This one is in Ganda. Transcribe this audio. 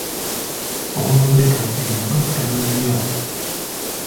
Obunwe bw’ettooke lino nga butono nnyo!